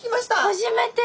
初めて！